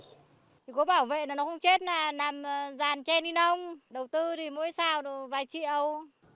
cố bảo vệ là nó không chết nè làm dàn che đi nông đầu tư thì mỗi sao là vài triệu